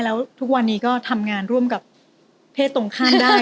แล้วทุกวันนี้ก็ทำงานร่วมกับเพศตรงข้ามได้